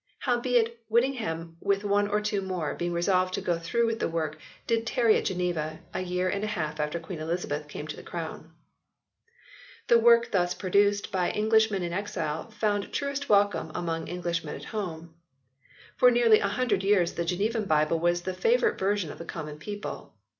Howbeit, Whittingham with one or two more, being resolved to go through with the work, did tarry at Geneva a year and a half after Queen Elizabeth came to the Crown/ The work thus produced by Englishmen in exile found truest welcome among Englishmen at home. For nearly a hundred years the Genevan Bible was the favourite version of the common people.